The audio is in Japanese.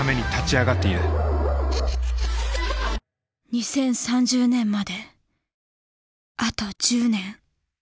２０３０年まであと１０年。